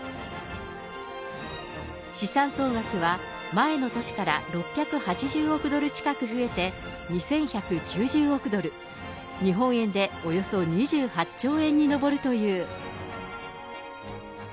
資産総額は、前の年から６８０億ドル近く増えて、２１９０億ドル、日本円でおよそ２８兆円に上るという。